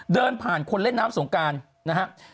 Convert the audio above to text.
เดินผ่านคนเล่นน้ำสงการนะครับ